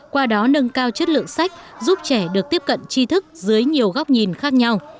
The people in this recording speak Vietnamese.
qua đó nâng cao chất lượng sách giúp trẻ được tiếp cận chi thức dưới nhiều góc nhìn khác nhau